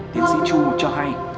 tiến sĩ chu cho hay